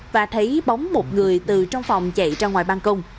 và thấy bóng một người từ trong phòng chạy ra ngoài ban công